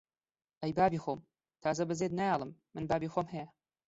ئەی بابی خۆم! تازە بەجێت نایەڵم! من بابی خۆم هەیە!